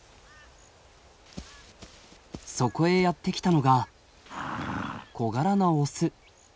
そこへやって来たのが小柄なオス。